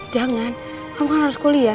jangan kamu kan harus kuliah